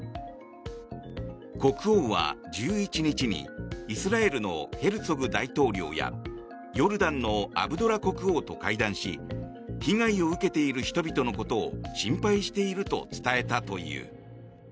国王は１１日にイスラエルのヘルツォグ大統領やヨルダンのアブドラ国王と会談し被害を受けている人々のことを心配していると伝えたという。